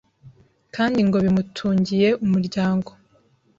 kandi ngo bimutungiye umuryango